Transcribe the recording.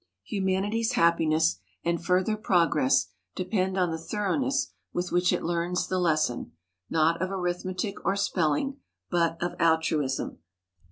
Humanity's happiness and further progress depend on the thoroughness with which it learns the lesson, not of arithmetic or spelling, but of altruism.